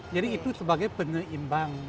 jadi itu sebagai pengeimbang